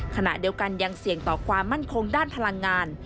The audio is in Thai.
ขณะเดียวกันยังเสี่ยงต่อความมั่นคงด้านพลังงาน